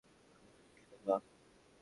আমি দুঃখিত, মা।